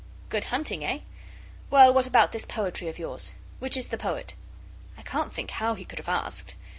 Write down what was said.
'Good hunting, eh? Well, what about this poetry of yours? Which is the poet?' I can't think how he could have asked!